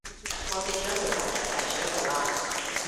我跌咗條裙入泥水度啊